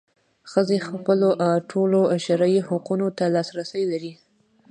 ښځې خپلو ټولو شرعي حقونو ته لاسرسی لري.